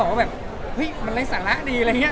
ดูอาจาละก่อนคลิปผมมาบอกวันอะไรสาระดี